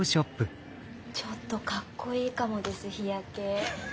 ちょっとかっこいいかもです日焼け。